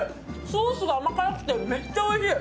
ソースが甘辛くてめっちゃおいしい。